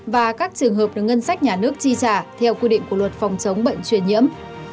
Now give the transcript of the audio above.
và các trường hợp được ngân sách nhà nước chi trả theo quy định của luật phòng chống bệnh truyền nhiễm